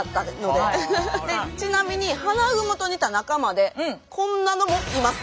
でちなみにハナグモと似た仲間でこんなのもいます。